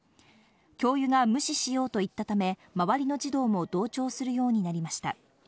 教諭が無視しようと言ったため、周りの児童も同調するようになりました。